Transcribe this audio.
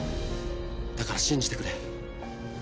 だから信じてくれ。